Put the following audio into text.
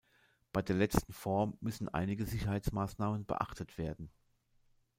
Bei der letzten Form müssen einige Sicherheitsmaßnahmen beachtet werden.